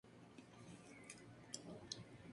Algunos de los enclaves en que vive están protegidos.